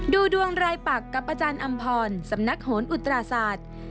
ดูดวงรายปักกับอาจารย์อำพรสำนักโหนอุตราศาสตร์